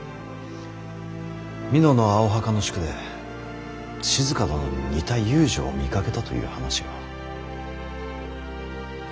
美濃の青墓宿で静殿に似た遊女を見かけたという話が。